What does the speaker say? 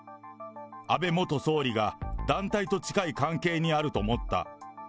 安倍元総理が団体と近い関係にあると思った。